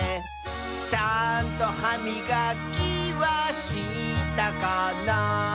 「ちゃんとはみがきはしたかな」